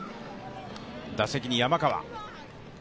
打席に山川。